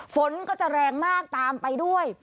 ฝนก็จะแรงมากตามไปด้วย